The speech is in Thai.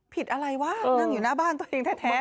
ผิดอะไรวะนั่งอยู่หน้าบ้านตัวเองแท้